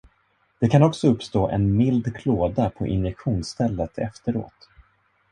Det kan också uppstå en mild klåda på injektionsstället efteråt.